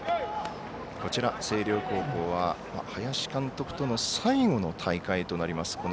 星稜高校は、林監督との最後の大会となります。